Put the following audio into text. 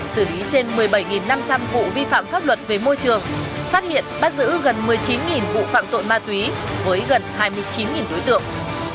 xử lý trên một mươi bảy năm trăm linh vụ vi phạm pháp luật về môi trường phát hiện bắt giữ gần một mươi chín vụ phạm tội ma túy với gần hai mươi chín đối tượng